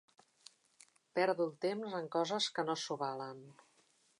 Perdo el temps en coses que no s'ho valen.